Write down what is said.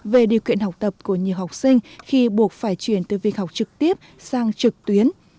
về điều kiện học tập của nhiều học sinh khi buộc phải chuyển từ viên học trực tiếp sang trực tuyến